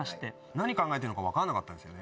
何考えてんのか分かんなかったんですよね。